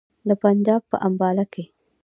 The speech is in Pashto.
د پنجاب په امباله کې.